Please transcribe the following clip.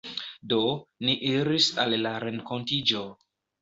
Do, ni iris al la renkontiĝo.